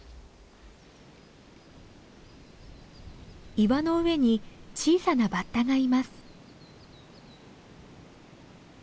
岩の上に小さなバッタがいます。